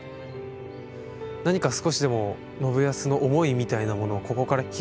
何か少しでも信康の思いみたいなものをここから拾いたいなって。